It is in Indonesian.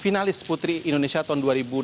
finalis putri indonesia tahun dua ribu enam belas